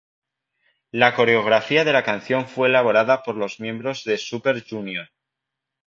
La coreografía de la canción fue elaborada por los miembros de Super Junior.